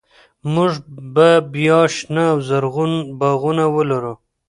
موږ به بیا شنه او زرغون باغونه ولرو.